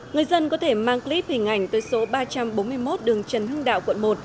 người dân có thể mang clip hình ảnh tới số ba trăm bốn mươi một đường trần hưng đạo quận một